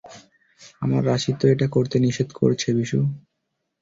আমার রাশি তো এটা করতে নিষেধ করছে, বিশু।